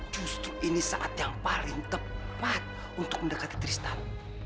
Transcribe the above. justru ini saat yang paling tepat untuk mendekati tristan